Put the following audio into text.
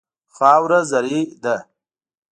خاوره زرعي ده.